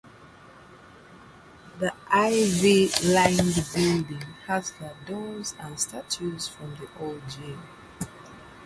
The ivy-lined building has the doors and statues from the old gym.